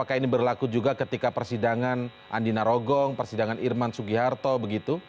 apakah ini berlaku juga ketika persidangan andina rogong persidangan irman sugiharto begitu